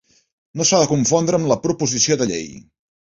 No s'ha de confondre amb la proposició de llei.